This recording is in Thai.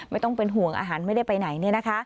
ไม่ต้องเป็นห่วงอาหารไม่ได้ไปไหน